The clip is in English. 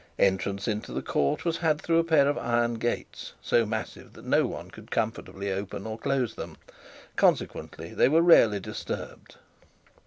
Entrance into the court was had through a pair of iron gates, so massive that no one could comfortably open or close them, consequently they were rarely disturbed.